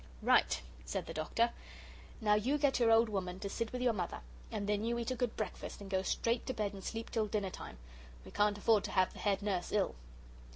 "Right," said the Doctor. "Now you get your old woman to sit with your mother, and then you eat a good breakfast, and go straight to bed and sleep till dinner time. We can't afford to have the head nurse ill."